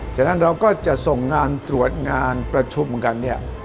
ฉะนั้นเราก็จะส่งงานตรวจงานประชุมกันเนี่ย